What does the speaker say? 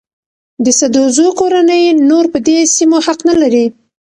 د سدوزو کورنۍ نور په دې سیمو حق نه لري.